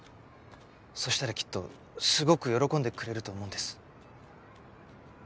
そしたらきっとすごく喜んでくれると思うんです。